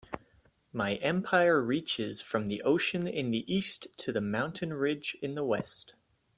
My empire reaches from the ocean in the East to the mountain ridge in the West.